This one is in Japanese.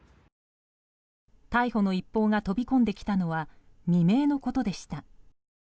逮捕の一報が飛び込んできたのは未明のことでした。